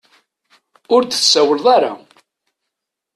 Ur d-tsawleḍ ara.